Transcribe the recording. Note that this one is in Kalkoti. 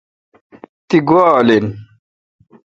تی گوا آل این